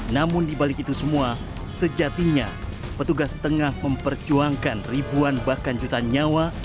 namun dibalik itu semua sejatinya petugas tengah memperjuangkan ribuan bahkan juta nyawa